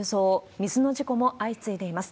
水の事故も相次いでいます。